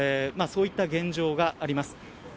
そういった現状があります。